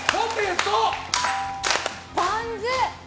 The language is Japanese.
ポン酢！